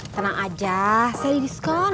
tenang aja saya diskon